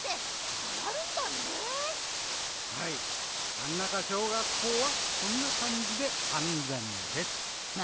マンナカ小学校はこんなかんじであんぜんです！」。